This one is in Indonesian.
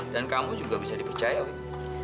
dan kamu juga bisa dipercaya wik